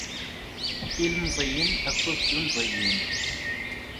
Ilemẓiuen akked tlemẓiyin.